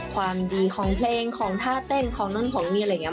ความดีของเพลงของท่าเต้นของนู่นของนี่อะไรอย่างนี้